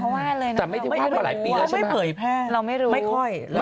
แค่เห็นเขาว่าเลยนะคะ